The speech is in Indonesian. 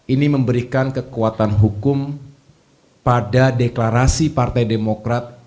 ini memberikan kekuatan hukum pada deklarasi partai demokrat